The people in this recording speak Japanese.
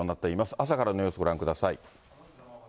朝からの様子、ご覧ください。